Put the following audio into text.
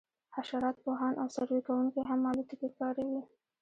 حشرات پوهان او سروې کوونکي هم الوتکې کاروي